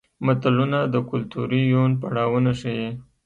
متلونه د کولتوري یون پړاوونه ښيي